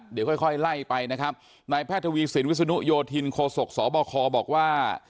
เดี๋ยวค่อยค่อยไล่ไปนะครับนายแพทย์ทวีสินวิศนุโยธินโคศกสบคบอกว่า